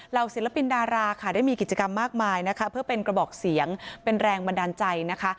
ศิลปินดาราค่ะได้มีกิจกรรมมากมายนะคะเพื่อเป็นกระบอกเสียงเป็นแรงบันดาลใจนะคะ